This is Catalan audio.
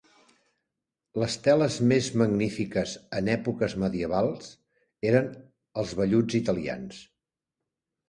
Les teles més magnífiques en èpoques medievals eren els velluts italians.